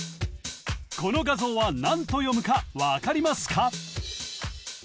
この画像は何と読むか分かりますか？